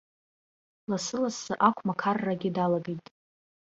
Лассы-лассы ақәмақаррагьы далагеит.